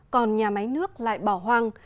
còn nhà máy nước lại bỏ hoang